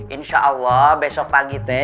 insyaallah besok pagi teh